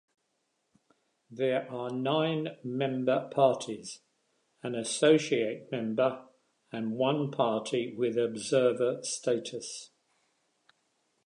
There are nine member parties, an associate member, and one party with observer status.